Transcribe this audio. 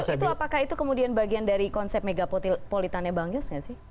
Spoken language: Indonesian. itu apakah itu kemudian bagian dari konsep megapolitane bangyus gak sih